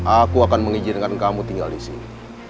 aku akan mengizinkan kamu tinggal di sini